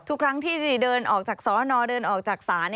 ทุกครั้งที่เดินออกจากสอนอเดินออกจากศาล